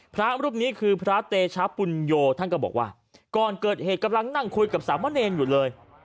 พระรูปนี้คือพระเตชะปุญโยท่านก็บอกว่าก่อนเกิดเหตุกำลังนั่งคุยกับสามะเนรอยู่เลย